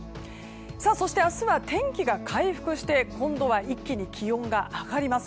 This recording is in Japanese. そして、明日は天気が回復して今度は一気に気温が上がります。